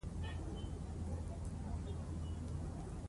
کارمل د امین بانډ د تېروتنو د اصلاح لپاره ژمنه وکړه.